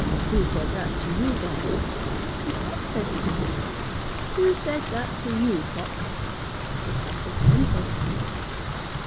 'Who said that to you, gander?' 'The cock said it to me.' 'Who said that to you, cock?' 'The speckled hen said it to me.'